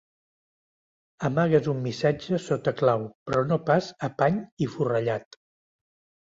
Amagues un missatge sota clau, però no pas a pany i forrellat.